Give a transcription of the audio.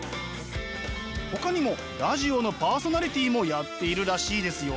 ほかにもラジオのパーソナリティーもやっているらしいですよ。